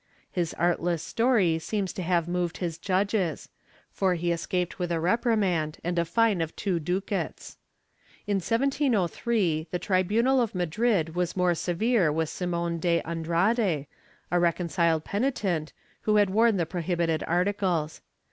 His artless story seems to have moved his judges, for he escaped with a reprimand and a fine of two ducats.* In 1703 the tribunal of Madrid was more severe with Simon de Andrade, a reconciled penitent, who had worn the prohibited articles.